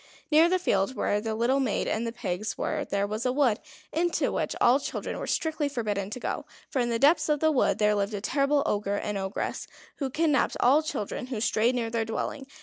Near the field where the little maid and the pigs were there was a wood, into which all children were strictly forbidden to go. For in the depths of the wood there lived a terrible Ogre and Ogress, who kidnapped all children who strayed near their dwelling.